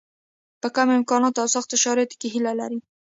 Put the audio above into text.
په کمو امکاناتو او سختو شرایطو کې هیله لري.